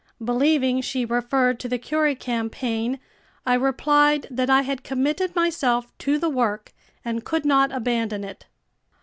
Believing she referred to the Curie campaign, I replied that I had committed myself to the work and could not abandon it.